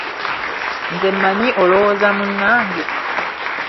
Nze mmanyi olowooza munnange?